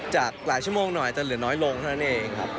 จากหลายชั่วโมงหน่อยจะเหลือน้อยลงเท่านั้นเองครับ